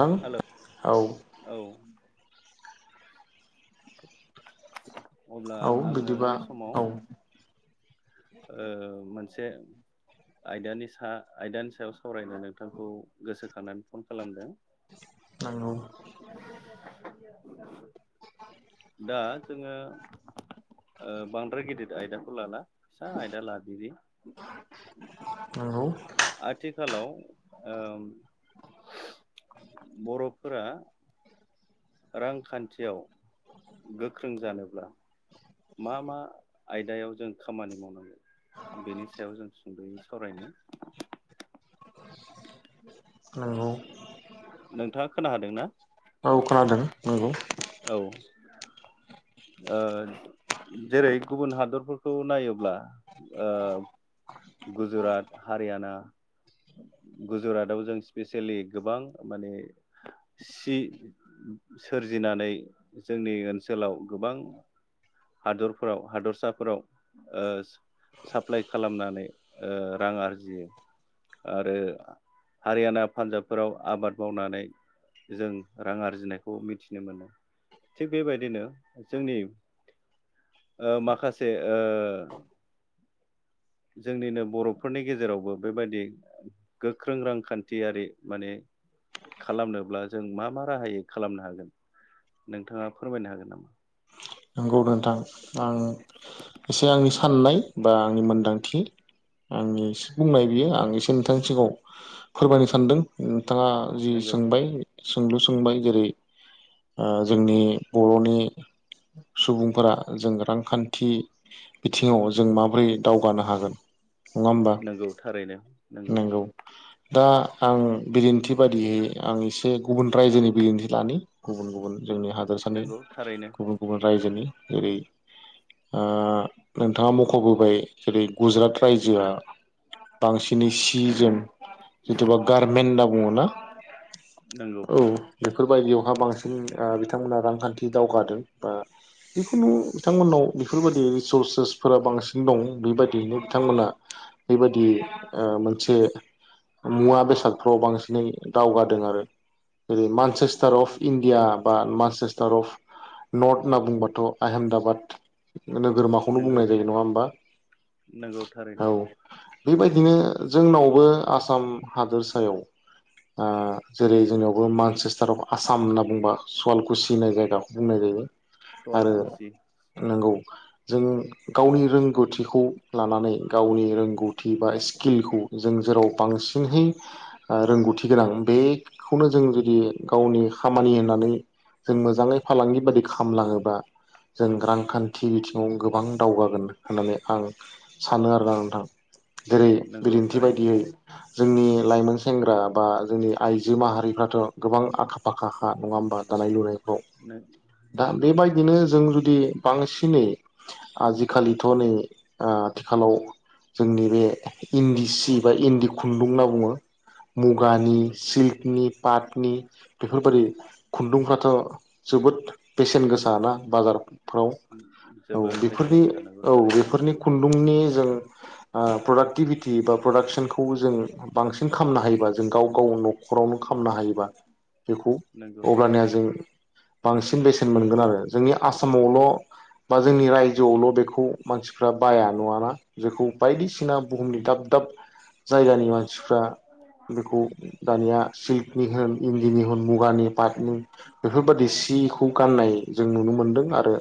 [unintelligible] Hello औ। औ अब्ला औ आङो बिदिबा बे समाव औ मोनसे आयदानि आयदानि सायाव सावरायनो नोंथांखौ गोसोखांनानै फन खालामदों। [inaudible] नंगौ दा जोङो। ओ बांद्राय गिदिर आयदाखौ लाना। फिसा आयदा लादिनि। नंगौ आथिखालाव ओ बर'फोरा रांखान्थियाव गोख्रों जानोब्ला मा मा आयदायाव जों खामानि मावनांगौ बेनि सायाव जों सुंद'यै सावरायनो [inaudible] नोंगौ। नोंथाङा खोनाहादोंना औ खोनादों नोंगौ। औ ओ जेरै गुबुन हादरफोरखौ नायोब्ला ओ गुजरात हारियाना गुजराताव जों स्पेसियेलि गोबां माने सि सोरजिनानै जोंनि ओनसोलाव गोबां हादरफोराव हादरसाफोराव ओ साप्लााय खालामनानै ओ रां आरजियो आरो हारियाना पान्जाबफोराव आबाद मावनानै जों रां आरजिनायखौ मिथिनो मोनो थिग बेबायदिनो जोंनि ओ माखासे ओ जोंनिनो बर'फोरनि गेजेरावबो बेबायदि गोख्रों रांखान्थियारि माने खालामनोब्ला जों मा मा राहायै खालामनो हागोन नोंथाङा फोरमायनो हागोन नामा नंगौ नोंथां आं एसे आंनि साननाय बा आंनि मोनदांथि आंनि एसे बुंनाय बियो आं एसे नोंथांनि सिगाङाव फोरमायनो सानदों [unintelligible] थाङा जि नंगौ सोंबाय सोंलु सोंबाय जेरै ओ जोंनि बर'नि सुबुंफोरा जों रांखान्थि बिथिङाव जों माबोरै दावगानो हागोन नङा होमबा नंगौ थारैनो नंगौ दा आं बिदिन्थि बादियै आं एसे गुबुन रायजोनि बिदिन्थि लानि गुबुन गुबुन जोंनि हादोरसानि नंगौ थारैनो गुबुन रायजोनि जेरै आ नोंथाङा मख'बोबाय जेरै गुजरात रायजोआ बांसिन [unintelligible] सि जोंम जेथ'बा गारमेनटाव [unintelligible] नंगौ औ [unintelligible] बेफोरबायदियावहाय बांसिन आ बिथांमोनहा रांखान्थि दावगादों दा जिखुनु बिथांमोननाव बेफोरबायदि रिसरसेसफोरा बांसिन दं बेबायदियैनो बिथांमोना बेबायदि ओ मोनसे मुवा बेसादफ्राव बांसिनै दावगादों आरो ओरै Manchester of India [unintelligible] Manchester of north होनना बुंबाथ' आहेमदाबाद नोगोरमाखौनो नंगौ बुंनाय जायो नङा होमबा नंगौ थारैनो औ बेबायदिनो जोंनावबो आसाम हादोरसायाव आ जेरै जोंनियावबो मानसेस्टार अफ आसाम होनना बुंबा सुवालकुसि होननाय जायगाखौ बुंनाय जायो सवाल आरो खुसि नोंगौ जों गावनि रोंगौथिखौ लानानै गावनि रोंगौथि बा स्किलखौ जों जेराव बांसिनहै ओ रोंगौथि गोनां बेखौनो जों जुदि गावनि खामानि होननानै जों मोजाङै फालांगि बादि खामलाङोबा जों रांखान्थि बिथिङाव गोबां दावगागोन होननानै आं सानो आरो ना नोंथां जेरै नंगौ बिदिन्थि थारैनो बायदियै जोंनि लाइमोन सेंग्रा बा जोंनि आइजो माहारिफ्राथ' गोबां आखा फाखाखा नङा होनोमबा दानाय लुनाय नों दा बेबायदिनो जों जों जुदि बांसिनै आजिखालिथ' नै ओ आथिखालाव जोंनि बे इन्दि सि बा इन्दि खुन्दुं होनना बुङो मुगानि नंगौ सिल्कनि पाटनि बेफोरबादि खुन्दुंफ्राथ' जोबोद बेेसेन गोसाना। बाजारफ्राव औ जोबोद बेसेन बेफोरनि गोसा नंगौ औ थारैनो बेफोरनि खुन्दुंनि जों ओ प्रडाक्टिभिटि बा प्रडाक्सनखौ जों बांसिन खालामनो हायोबा जों जों गाव गाव न' न'खरावनो खामनो हायोबा बेखौ नंगौ अब्लाानिया जों बांसि सिन बेसेन मोनगोन आरो जोंनि आसामावल' बा जोंनि रायजोआवल' बेखौ मानसिफ्रा बाया नङाना बेखौ बायदिसिना बुहुमनि दाब दाब जायगानि मानसिफ्रा बेखौ दानिया सिल्कनि होन इन्दिनि होन मुगानि पाटनि बेफोरबाददि सि खौ गाननाय जों नुनो मोनदों आरो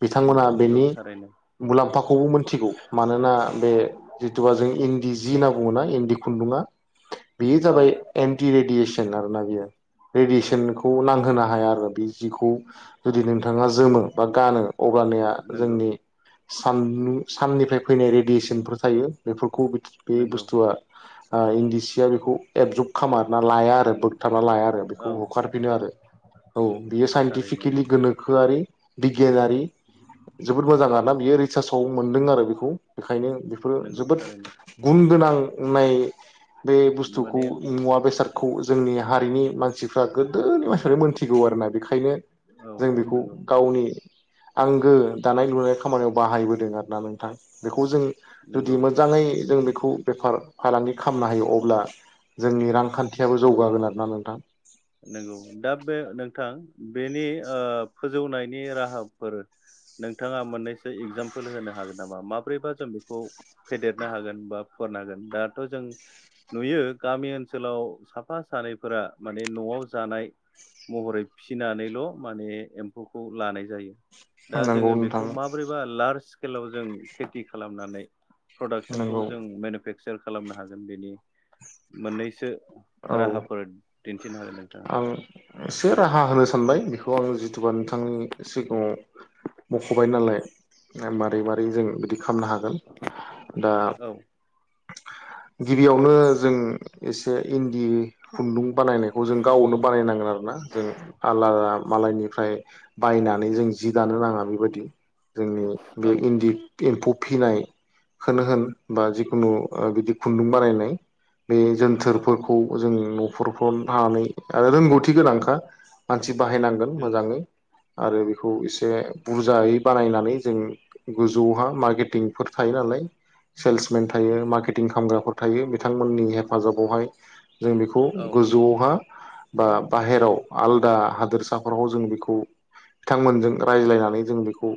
बिथांमोना नंगौ बेनि थारैनो मुलाम्फाखौबो मोनथिगौ मानोना बे जिथुुबा जों इन्दि जि ना बुङो ना इन्दि खुन्दुङा बेयो औ जाबाय एन्टि रेडिये सेन आरो ना बियो रेदियेसनखौ नांहोनो हाया आरो बे जिखौ जुदि नोंथाङा जोमो बा गानो अब्लानिया नंगौ जोंनि साननि-साननिफ्राय फैनाय रेडियेसनफोर थायो बेफोरखौ खौ बे नंगौ बुस्थुआ ओ-इन्दि सिया बेखौ एबजुब खामा। मा लाया आरो बोगथाबना लाया आरो बेखौ औ होखारफिनो आरो औ बेयो साइनटिफिक थारैनो गोनोखोआरि दिग गेलारि जोबोद मोजां आरोना बियो रिसार्चआव मोनदों आरो बेखौ बेखायनो बेफोरो नंगौ जोबोद थारैनो गुन गोनांनाय बे बुस्थुखौ माने मुवा बेसादखौ जोंनि हारिनि मानसिफ्रा गोदोनि मानसिफ्रा मोनथिगौ आरोना बेखायनो औ जों बेखौ नंगौ गावनि आंगो दानाय लुनाय खामानियाव बाहायबोदों आरो ना नोंथां बेखौ खौ जों जुदि नंगौ मोजाङै जों ब खौ बेफार फालांगि खामनो हायो अब्ला जोंनि रांखान्थियाबो जौगागोन आरोना नोंथां। नोंगौ दा बे नोंथां बेनि ओ-फोजौनायनि राहाफोर नोंथाङा मोननैसो एगजामपोल होनो हागोन नामा? माब्रैबा जों बेखौ फेदेरनो हागोन बा फेहेरनो हागोन दाथ जों नुयो गामि ओनसोलाव साफा सानैफोरा माने नआव जानाय महरै फिनानैल माने एम्फौखौ लानाय जायो। दा नंगौ जोङो नोंथां बेखौ माबोरैबा लार्ज सकेलाव जों खेथि खालामनानै प्रडाक्सनखौ नंगौ जों मेनुफेक्सार खालामनो हागोन बेनि। मोननैसो औ राहाफोर दिन्थिनो हागोन नोंथाङा आं एसे राहा होनो सानबाय बेखौ आं जिथुुबा नोंथांनि सिगाङाव। मखबाय नालाय मारै मारै जों बिदि खामनो हागोन दा औ गिबियावनो जों एसे इन्दि खुन्दुं बानाय जों गावनो बानायनांगोन आरो ना जों आलादा मालायनिफ्राय बायनानै जों जि दानो नाङा बेबायदि जोंनि औ बे इन्दि एम्फौ फिनाय खोनो होन बा जिखुनु बिदि खुन्दुं बानायनाय बे औ जोनथोरफोरखौ जों नफोरफ्राव मानै आरो रोंगौथि गोनांखा मानसि बाहायनांगोन नंगौ मोजाङै आरो बेखौ इसे बुजायै बानायनानै जों गोजौहा मार्केटिंफोर थायो नालाय सेल्समेन थायो मार्केटिं खालामग्राफोर थायो बिथांमोननि हेफाजाबावहाय जों बेखौ औ गोजौआव बा बाहेराव आलदा हादोरसाफोराव जों बेखौ बिथांमोनजों रायज्लायनानै जों बेखौ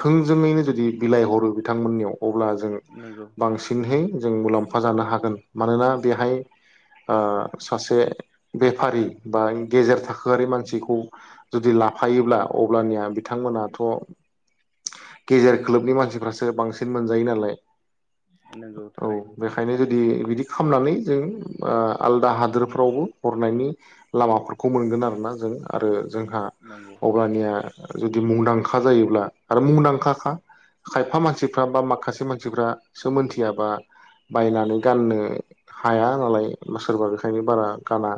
थोंजोङैनो जुदि बिलाइ हरो बिथांमोननियाव। अब्ला जों नंगौ बांसिनहै जों मुलाम्फा जानो हागोन मानोना बेहाय ओ सासे बेफारि बा गेजेर थाखोआरारि मानसिखौ जुदि लाफायोब्ला अब्लानिया बिथांमोनाथ गेजेर खोलोबनि मानसिफ्रासो बांसिन मोनजायो नालाय नंगौ औ थारैनो बेखायनो जुदि बिदि खामनानै जों आलदा हादोरफ्रावबो हरनायनि लामाफोरखौ मोनगोन आरो ना जों आरो जोंहा नंगौ अब्लानिया जुदि मुंदांखा जायोब्ला आरो मुंदांखाखा खायफा मानसिफ्रा बा माखासे मानसिफासो मोनथियाबा बायनानै गाननो हाया नालाय सोरबा बेखायनो बारा गाना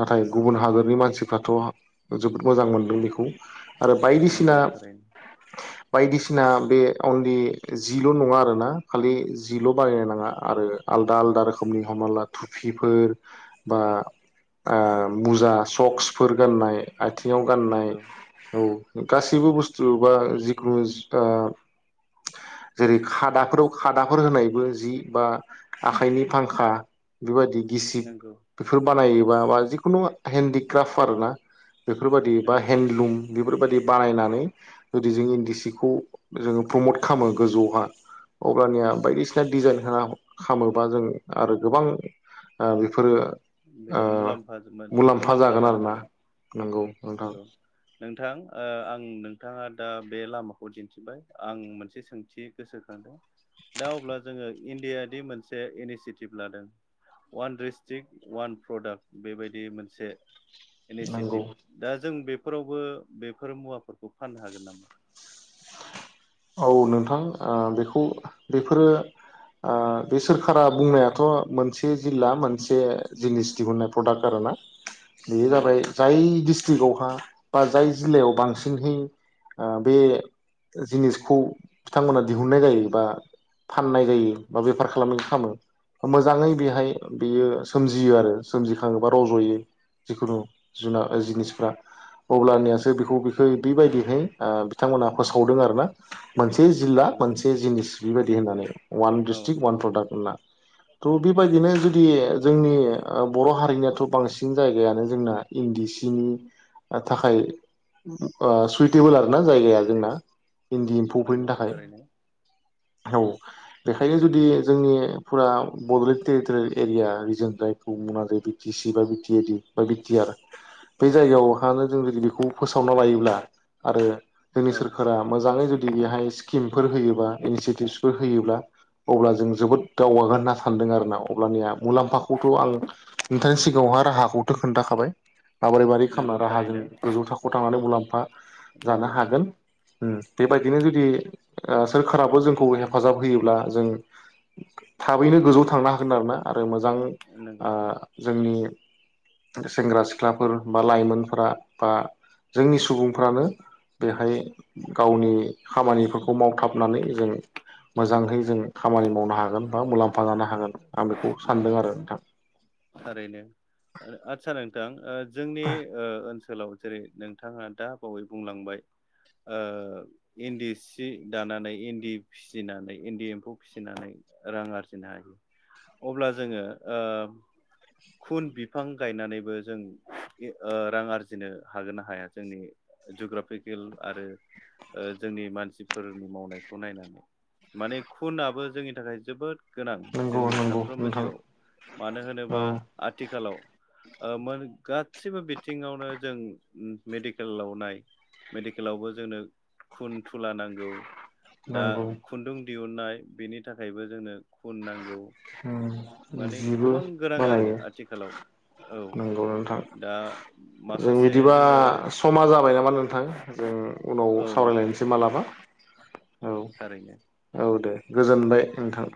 नाथाय नंगौ गुबुन हादोरनि मानसि फ्राथ जोबोद मोजां मोनदों बेखौ आरो बायदिसिना नंगौ थारैनो बायदिसिना बे अनलि जिल' नङा आरोना खालि जिल' बायनो नाङा आरो आलदा आलदा रोखोमनि हमना ला थुफिफोर बा आ बुजा सकस फोर गाननाय आथिङाव गाननाय नंगौ औ गासैबो बुस्थु बा जिखुनु जुता जेरै खादाफोराव खादाफोर होनायबो जि बा आखाइनि फांखा बेबायदि गिसिब नंगौ गो बानायोबा बा जिखुनु हेन्ददिक्राफ्ट आरोना बेफोरबायाददि बा नंगौ हेन्दलुम बेफोरबायाददि बानायनानै जुदि जों इन्दि सिखौ जोङो प्रमट खालामो गोजौहा अब्लानिया बायदिसिना डिजाइन होना खालामोबा जों आरो गोबां बेफोरो ओ बेनि मुलाम्फा मुलाम्फा जागोन जानो आरोना हागोन नंगौ नोंथां नंगौ नोंथां अ आं नोंथाङा दा बे लामाखौ दिन्थिबाय आं मोनसे सोंथि गोसोखांदों दा अब्ला जोङो इण्डिया दि मोनसे इनिसियेटिभ लादों अवान डिस्ट्रिक्ट वान प्रडाक्ट बेबायदि मोनसे नंगौ इनिसियेटिभ दा जों बे फोरावबो बेफोर मुवाफोरखौ फाननो हागोन नामा औ नोंथां आ बेखौ बेफोरो आ बे सोरखारा बुंनायाथ' मोनसे जिल्ला मोनसे जिनिस दिहुुननाय प्रडाक्ट आरोना बेयो नंगौ जाबाय जाय दिस्ट्रिकआवहा बा जाय जिल्लायाव बांसिनहै बे जिनिस खौ बिथांमोना दिहुननाय जायोबा फाननाय जायो नंगौ बा बेफार खालामो खामो मोजाङै बेहाय बियो सोमजियो आरो सोमजिखाङोबा रज'यो जिखुनु जुनार जिनिसफ्रा अब्लानियासो बेखौ बेखौ बेबायदिहाय आ बिथांमोनहा फोसावदों आरो ना। मोनसे जिल्ला नंगौ मोनसे जिनिस बिबायदि होननानै वान औ डिसट्रिक्ट वान प्रडाक्ट होनना थ' बेबायदिनो जुदि जोंनि बर' हारिनियाथ' बांसिन जायगायानो जोंना इन्दि सिनि थाखाय अ सुइटेबोल आर ना जायगाया जोंना इन्दि एम्फौफोरनि नंगौ थाखाय थारैनो औ बेखायनो जुदि जोंनि फुरा बड'लेण्ड टेरिटरियेल एरिया रिजन जायखौ मुङ जै बि टि सि बा बि टि एड बा बिटि आर बे जायगायाव मानो जों जुदि बेखौ फोसावना लायोब्ला आरो जोंनि औ सोरखारा आनो जुदि बेहाय स्किमफोर होयोबा इनसटियतिच फोर होयोब्ला अब्ला जों जोबोद दावगागोन होनना सानदों आरो ना अब्लानिया मुलाम्फाखौथ' आं नोंथांनि सिगाङावहा राहाखौथ' खोन्थाखाबाय माबोरै बोरै खालामना नंगौ राहाजों थारैनो गोजौ थाखोआव थांनानै मुलाम्फा जानो नंगौ हागोन। ओम बेबायदिनो जुदि ओ सोरखाराबो जोंखौ हेफाजाब होयोब्ला जों थाबैनो गोजौआव थांनो हागोन आरोना। आरो मोजां नंगौ आ जोंनि सेंग्रा सिख्लाफोर बा लाइमोनफोरा बा जोंनि सुबुंफ्रानो बेहाय गावनि खामानिफोरखौ मावथाबनानै जों नंगौ मोजांहै जों खामानि मावनो हागोन बा मुलाम्फा जानो हागोन आं बेखौ सानदों नंगौ आरो नोंथां थां ओ जोंनि ओ ओनसो लाव जेरै नोंथाङा दा बावै बुंलांबाय ओ इन्दि सि दानानै इन्दि फिसिनानै इन्दि एम्फौ फिसिनानै रां आरजिनो हायो अब्ला जोंङो खुन बिफां गायनानैबो जों ओ रां आरजिनो हागोन ना हाया जोंनि जुग्राफिकेल आरो जोंनि मानसिफोरनि मावनायखौ नायनानै माने खुनआबो जोंनि थाखाय जोबोद गोनां नंगौ जोंनि नंगौ साफ्रोमबो नोंथां जिउआव मानो होनोबा औ आथिखालाव ओ मो गासैबो बिथिङावनो जों मेडिकेलाव नाय मेडिकेलावबो जोंनो खुन थुला नांगौ दा नंगौ खुन्दुं दिहुननाय बेनि थाखायबो जोंनो खुन नांगौ माने जिबो गोबां गोनां आरो बानायो आथिखालाव औ नंगौ नोंथां दा जों माखासे बिदिबा जोङो समा जाबाय नामा नोंथां जों उनाव औ नोंथां सावरायलायनोसै मालाबा औ थारैनो औ दे गोजोनबाय नोंथां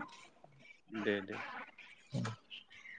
दे दे [unintelligible]